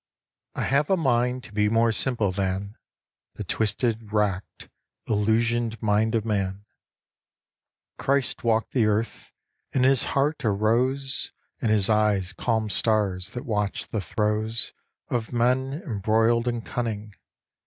I have a mind to be more simple than The twisted, racked, illusioned mind of man. Christ walked the earth, and in his heart a rose And in his eyes calm stars that watched the throes Of men embroiled and cunning.